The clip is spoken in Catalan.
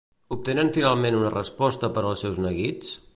Obtenen finalment una resposta per als seus neguits?